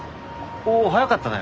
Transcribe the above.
おお早かったね。